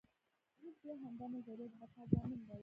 اوس بیا همدا نظریه د بقا ضامن دی.